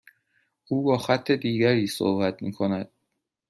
او با خط دیگری صحبت میکند.